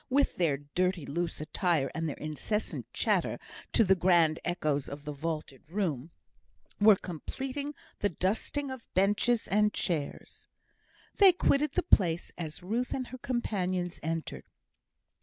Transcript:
with their dirty, loose attire, and their incessant chatter, to the grand echoes of the vaulted room) were completing the dusting of benches and chairs. They quitted the place as Ruth and her companions entered.